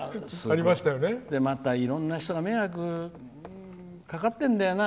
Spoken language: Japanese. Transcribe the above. また、いろんな人が迷惑かかってんだよな。